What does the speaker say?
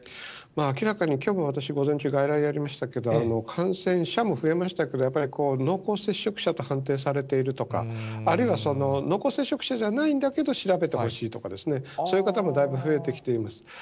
明らかにきょう、私、午前中外来やりましたけど、感染者も増えましたけど、やっぱり濃厚接触者と判定されているとか、あるいは濃厚接触者じゃないんだけど、調べてほしいとか、そういう方もだいぶ増えてきています。